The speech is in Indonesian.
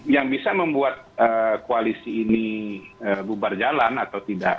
yang bisa membuat koalisi ini bubar jalan atau tidak